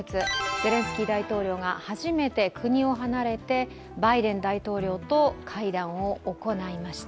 ゼレンスキー大統領が初めて国を離れてバイデン大統領と会談を行いました。